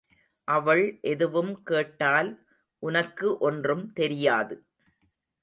அவள் எதுவும் கேட்டால் உனக்கு ஒன்றும் தெரியாது.